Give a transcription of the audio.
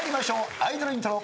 アイドルイントロ。